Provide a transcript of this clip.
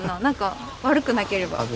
なんか悪くなければ。